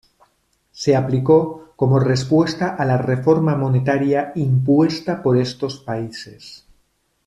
Se aplicó como respuesta a la reforma monetaria impuesta por estos países.